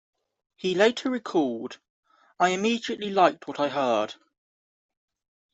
He later recalled: I immediately liked what I heard.